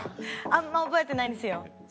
あんま覚えてないんですよ。